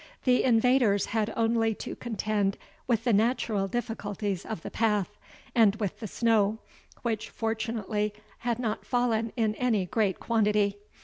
The invaders had only to contend with the natural difficulties of the path, and with the snow, which, fortunately, had not fallen in any great quantity.